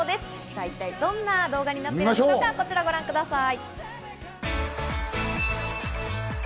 さぁ、一体どんな動画になっているのか、こちらをご覧ください。